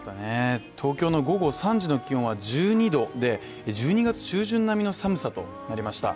東京の午後３時の気温は１２度で１２月中旬並みの寒さとなりました。